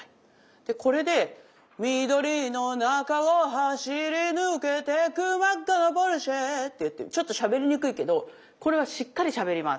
でこれで「緑の中を走り抜けてく真紅なポルシェ」って言ってちょっとしゃべりにくいけどこれはしっかりしゃべります。